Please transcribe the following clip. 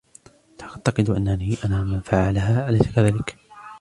تعتقد أنني أنا من فعلها، أليس كذلك؟